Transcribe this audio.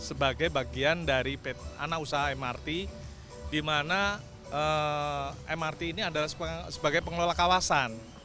ini bagian dari anak usaha mrt dimana mrt ini adalah sebagai pengelola kawasan